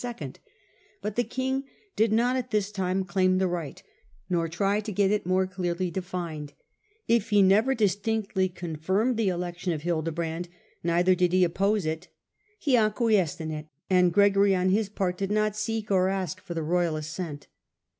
* but the king did not at this time claim the right, nor try to get it more clearly de fined; If he never distinctly confirmed the election of Hildebrand, neither did he oppose it : he acquiesced in it, and Gregory, on his part, did not seek or ask for the royal assent.